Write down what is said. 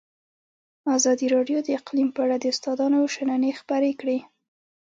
ازادي راډیو د اقلیم په اړه د استادانو شننې خپرې کړي.